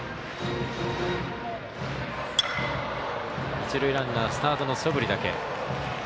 １塁ランナースタートのそぶりだけ。